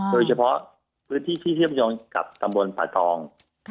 โดยเฉพาะพื้นที่ที่เชื่อมโยงกับตำบลผ่าทอง